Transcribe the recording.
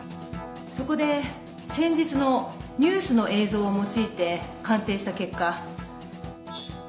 そこで先日のニュースの映像を用いて鑑定した結果。